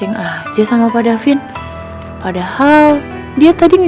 gua salah lagi